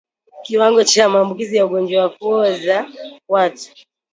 Kiwango cha maambukizi ya ugonjwa wa kuoza kwato